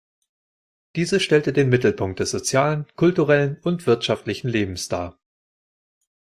Diese stellte den Mittelpunkt des sozialen, kulturellen und wirtschaftlichen Lebens dar.